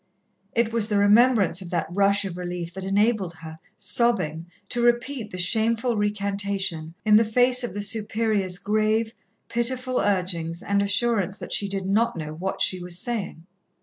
It was the remembrance of that rush of relief that enabled her, sobbing, to repeat the shameful recantation, in the face of the Superior's grave, pitiful urgings and assurance that she did not know what she was saying.